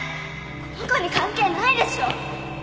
この子に関係ないでしょ！